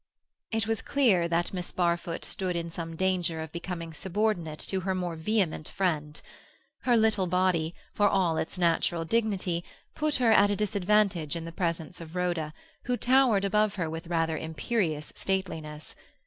It was clear that Miss Barfoot stood in some danger of becoming subordinate to her more vehement friend. Her little body, for all its natural dignity, put her at a disadvantage in the presence of Rhoda, who towered above her with rather imperious stateliness.